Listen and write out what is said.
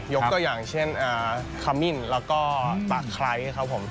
ตัวอย่างเช่นขมิ้นแล้วก็ตะไคร้ครับผม